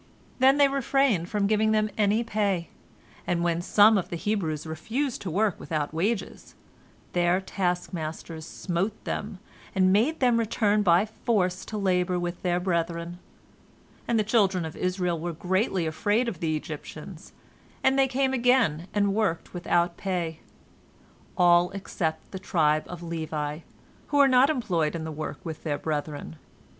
Then they refrained from giving them any pay, and when some of the Hebrews refused to work without wages, their taskmasters smote them, and made them return by force to labor with their brethren. And the children of Israel were greatly afraid of the Egyptians, and they came again and worked without pay, all except the tribe of Levi, who were not employed in the work with their brethren.